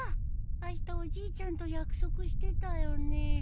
あしたおじいちゃんと約束してたよね。